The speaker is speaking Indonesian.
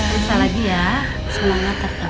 susah lagi ya semangat tetap